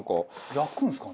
焼くんですかね？